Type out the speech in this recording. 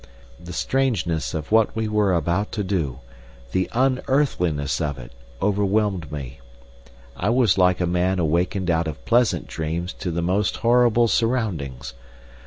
The strangeness of what we were about to do, the unearthliness of it, overwhelmed me. I was like a man awakened out of pleasant dreams to the most horrible surroundings.